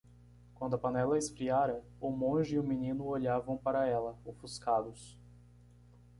Quando a panela esfriara?, o monge e o menino olhavam para ela,? ofuscados.